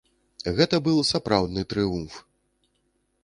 Гэта быў сапраўдны трыумф!